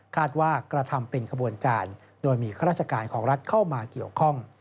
ว่ากระทำเป็นขบวนการโดยมีข้าราชการของรัฐเข้ามาเกี่ยวข้อง